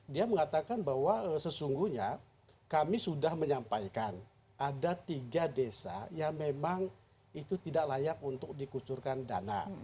dia mengatakan bahwa sesungguhnya kami sudah menyampaikan ada tiga desa yang memang itu tidak layak untuk dikucurkan dana